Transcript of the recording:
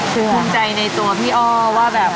ภูมิใจในตัวพี่อ้อว่าแบบ